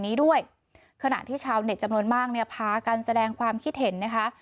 เพื่อเตือนภัยให้ประชาชนเนี้ยมาแสดงความคิดเห็นนะค่ะ